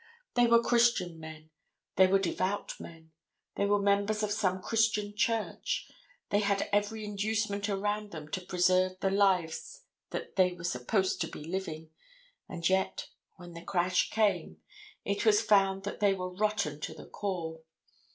They were christian men, they were devout men, they were members of some christian church, they had every inducement around them to preserve the lives that they were supposed to be living, and yet, when the crash came, it was found that they were rotten to the core.